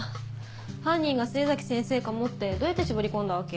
犯人が末崎先生かもってどうやって絞り込んだわけ？